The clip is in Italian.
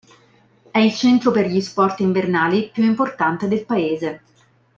È il centro per gli sport invernali più importante del paese.